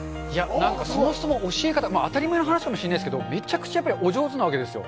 そもそも当たり前の話かもしれないですけどめちゃくちゃお上手なわけですよ